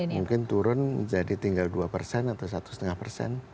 mungkin turun menjadi tinggal dua persen atau satu lima persen